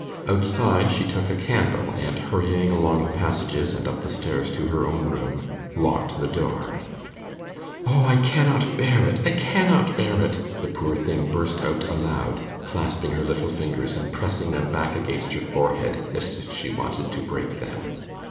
Outside, she took a candle, and, hurrying along the passages and up the stairs to her own room, locked the door. 'O, I cannot bear it, I cannot bear it!' the poor thing burst out aloud, clasping her little fingers, and pressing them back against her forehead, as if she wanted to break them.